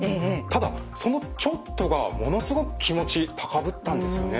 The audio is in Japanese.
ただその「ちょっと」がものすごく気持ち高ぶったんですよね。